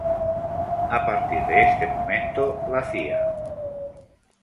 A partir de este momento, la Cía.